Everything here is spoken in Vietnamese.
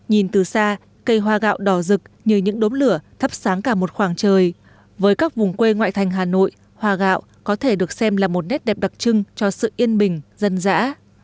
nhìn từ xa cây hoa gạo đỏ rực như những đốm lửa thắp sáng cả một khoảng trời với các vùng quê ngoại thành hà nội hoa gạo có thể được xem là một nét đẹp đặc trưng cho sự yên bình dân dã